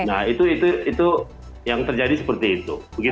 nah itu yang terjadi seperti itu